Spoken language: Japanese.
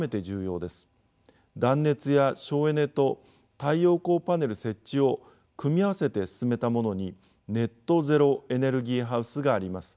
断熱や省エネと太陽光パネル設置を組み合わせて進めたものに「ネット・ゼロ・エネルギー・ハウス」があります。